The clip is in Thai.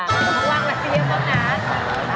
แล้วพี่ต้องว่างละเตียมของนัก